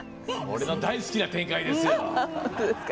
俺の大好きな展開ですよ。